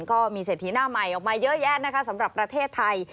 ก็มีเศรษฐีหน้าใหม่ออกมาเยอะแยะนะคะสำหรับประเทศไทย